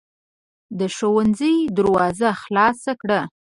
د ښوونځي دروازه خلاصه کړه.